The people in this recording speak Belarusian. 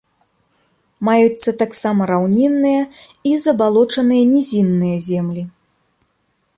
Маюцца таксама раўнінныя і забалочаныя нізінныя землі.